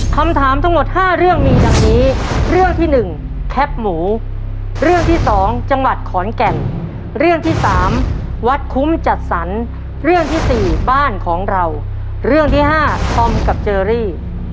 คำถามทั้งหมด๕เรื่องมีดังนี้เรื่องที่หนึ่งแคปหมูเรื่องที่สองจังหวัดขอนแก่นเรื่องที่สามวัดคุ้มจัดสรรเรื่องที่สี่บ้านของเราเรื่องที่๕ธอมกับเจอรี่